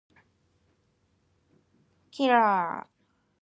Triple H also contributed co-vocals on the spoken word track "Serial Killer".